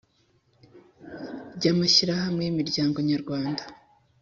Ry amashyirahamwe y imiryango nyarwanda